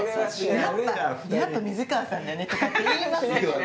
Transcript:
「やっぱ水川さんだよね」とかって言いますよ。